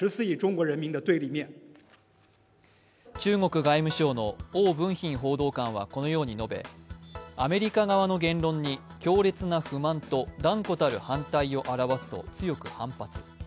中国外務省の汪文斌報道官はこのように述べ、アメリカ側の言論に強烈な不満と断固たる反対を表すと強く反発。